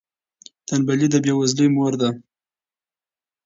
تنبلي د بې وزلۍ مور ده.